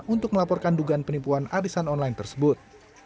untuk melaporkan dugaan penipuan arisan online tersebut